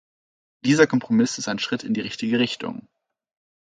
Dieser Kompromiss ist ein Schritt in die richtige Richtung.